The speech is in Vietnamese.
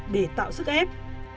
để tạo sức ép